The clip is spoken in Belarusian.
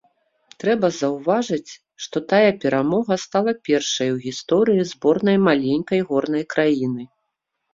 Трэба заўважыць, што тая перамога стала першай у гісторыі зборнай маленькай горнай краіны.